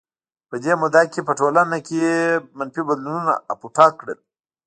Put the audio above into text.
په دې موده کې په ټولنه کې منفي بدلونونو اپوټه کړل.